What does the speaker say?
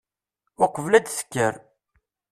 Uqbel ad tekker.